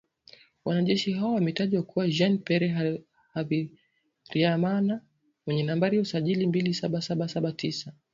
Wanajeshi hao wametajwa kuwa “Jean Pierre Habyarimana mwenye namba za usajili mbili saba saba saba tisa.